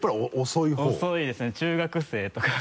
遅いですね中学生とか。